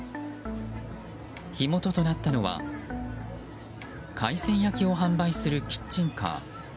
火元となったのは海鮮焼きを販売するキッチンカー。